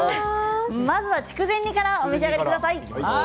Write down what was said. まずは筑前煮からお召し上がりください。